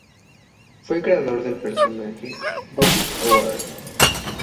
Fue el creador del personaje Bucky O'Hare.